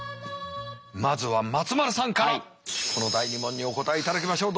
まずは松丸さんからこの第２問にお答えいただきましょう。